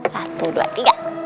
satu dua tiga